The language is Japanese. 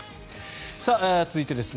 続いてです。